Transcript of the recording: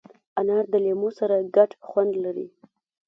انار د لیمو سره ګډ خوند لري.